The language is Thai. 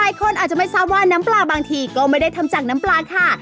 หลายคนอาจจะไม่ทราบว่าน้ำปลาบางทีก็ไม่ได้ทำจากน้ำปลาค่ะ